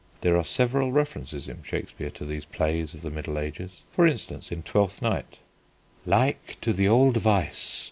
There are several references in Shakespeare to these plays of the Middle Ages. For instance, in Twelfth Night: "Like to the old Vice